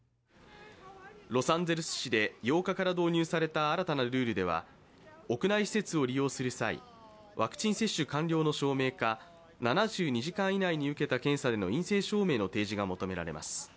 ロサンゼルス市に８日から導入された新たなルールでは屋内施設を利用する際、ワクチン接種完了の証明か７２時間以内に受けた検査での陰性証明の提示が求められます。